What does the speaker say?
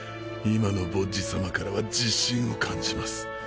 今のボッジ様からは自信を感じます。